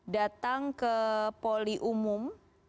datang ke poli umum